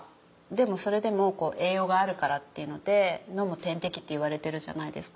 それでも栄養があるからっていうので「飲む点滴」っていわれてるじゃないですか。